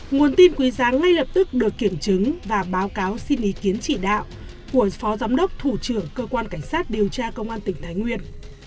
nguồn tin quý giá ngay lập tức được kiểm chứng và báo cáo xin ý kiến chỉ đạo của phó giám đốc thủ trưởng cơ quan cảnh sát điều tra công an tỉnh thái nguyên